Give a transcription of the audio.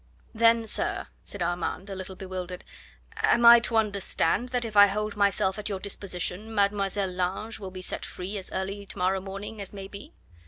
"Then, sir," said Armand, a little bewildered, "am I to understand that if I hold myself at your disposition Mademoiselle Lange will be set free as early to morrow morning as may be?"